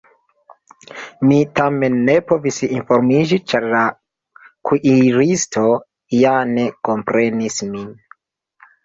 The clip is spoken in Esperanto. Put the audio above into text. Mi tamen ne povis informiĝi, ĉar la kuiristo ja ne komprenis min.